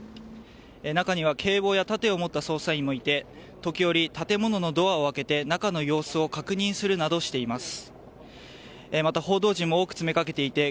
中には、警棒や盾を持った捜査員もいて時折、建物のドアを開けて中の様子を確認するなどしています。